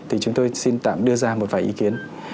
thì chúng tôi xin tạm đưa ra một vài ý kiến